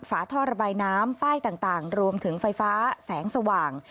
ฝาท่อระบายน้ำป้ายต่างรวมถึงไฟฟ้าแสงสว่าง